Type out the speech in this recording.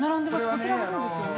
こちらがそうですよね？